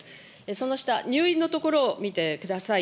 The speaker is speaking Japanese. その下、入院のところを見てください。